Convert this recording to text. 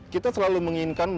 kita selalu menginginkan